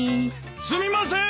・すみませーん。